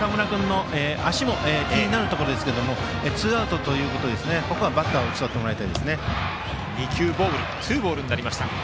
間木君一塁ランナーの足も気になるところですがツーアウトということでここはバッターを打ち取ってもらいたいですね。